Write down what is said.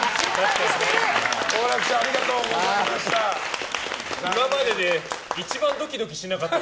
好楽師匠ありがとうございました。